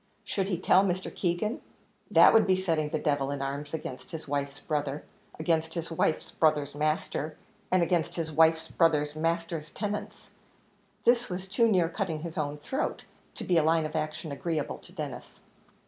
Should he tell Mr. Keegan? that would be setting the devil in arms against his wife's brother against his wife's brother's master and against his wife's brother's master's tenants; this was too near cutting his own throat, to be a line of action agreeable to Denis.